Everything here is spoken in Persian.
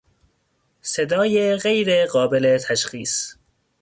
صدای غیر قابل تشخیص